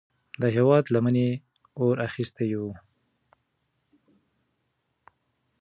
د هیواد لمنې اور اخیستی و.